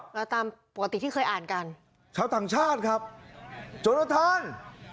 เราตามปกติที่เคยอ่านกันชาวต่างชาติครับโจรทาน